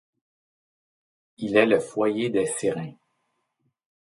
Il est le foyer des Sirins.